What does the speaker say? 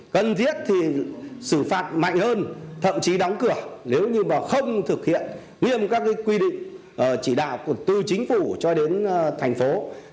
cần thiết thì xử phạt mạnh hơn thậm chí đóng cửa nếu như mà không thực hiện nghiêm các quy định chỉ đạo của tư chính phủ cho đến thành phố